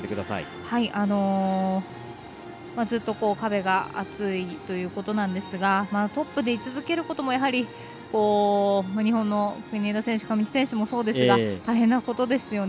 ずっと壁が厚いということなんですがトップでい続けることも、やはり日本の国枝選手上地選手もそうですが大変なことですよね。